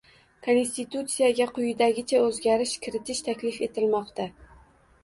Konstitutsiyaga quyidagicha oʻzgarish kiritish taklif etilmoqda.